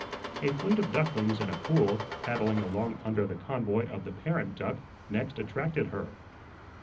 A fleet of ducklings in a pool, paddling along under the convoy of the parent duck, next attracted her.